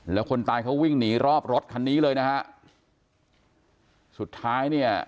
แล้วคนตายเขาวิ่งหนีรอบรถคันนี้เลยนะฮะสุดท้ายเนี่ย